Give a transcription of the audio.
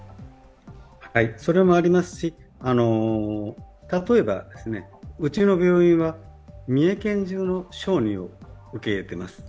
それもありますし、例えば、うちの病院は三重県じゅうの小児を受け入れてます。